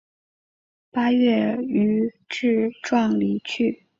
八月予致仕离去。